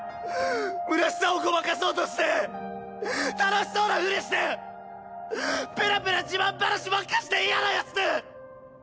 むなしさをごまかそうとして楽しそうなふりしてペラペラ自慢話ばっかして嫌なヤツで！